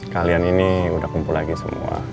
kalian ini udah kumpul lagi semua